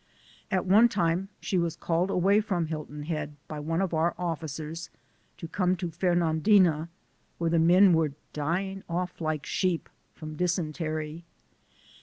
At one time she was called away from Hilton Head, by one of our offi cers, to come to Fernandina, where the men were " dying off like sheep," from dysentery.